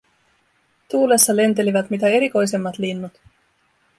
Tuulessa lentelivät mitä erikoisemmat linnut.